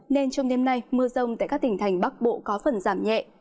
nên trong đêm nay mưa rông tại các tỉnh thành bắc bộ có phần giảm nhẹ